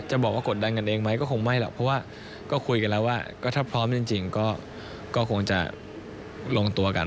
บอกว่ากดดันกันเองไหมก็คงไม่หรอกเพราะว่าก็คุยกันแล้วว่าก็ถ้าพร้อมจริงก็คงจะลงตัวกัน